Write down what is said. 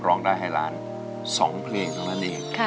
ร้องได้ให้ล้าน๒เพลงเท่านั้นเอง